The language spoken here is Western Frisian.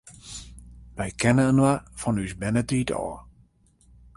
Wy kenne inoar fan ús bernetiid ôf.